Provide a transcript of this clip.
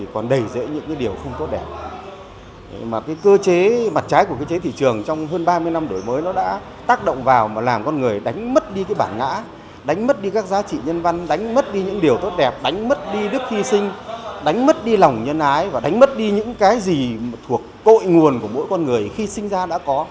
cơ chế mặt trái của cơ chế thị trường trong hơn ba mươi năm đổi mới nó đã tác động vào mà làm con người đánh mất đi cái bản ngã đánh mất đi các giá trị nhân văn đánh mất đi những điều tốt đẹp đánh mất đi đức hy sinh đánh mất đi lòng nhân ái và đánh mất đi những cái gì thuộc cội nguồn của mỗi con người khi sinh ra đã có